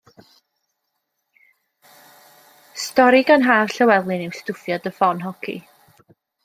Stori gan Haf Llewelyn yw Stwffia dy ffon hoci.